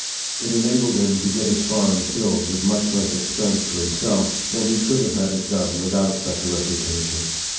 It enabled him to get his farm tilled with much less expense to himself than he could have had it done without such a reputation.